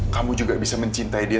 kamu juga bisa mencintai dia